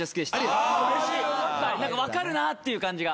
分かるなっていう感じが。